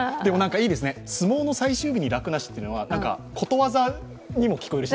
いいですね、相撲の最終日に楽なしってことわざにも聞こえるし。